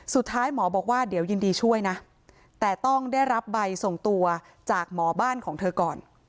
สุดท้ายหมอบอกว่าเดี๋ยวยินดีช่วยนะแต่ต้องได้รับใบส่งตัวจากหมอบ้านของเธอก่อน